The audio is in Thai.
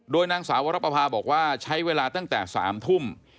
นางสาววรปภาบอกว่าใช้เวลาตั้งแต่๓ทุ่ม